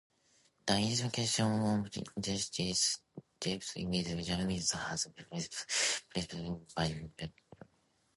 The identification of Jebus with Jerusalem has been disputed, principally by Niels Peter Lemche.